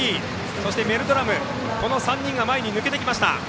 そしてメルドラムこの３人が前に抜けてきました。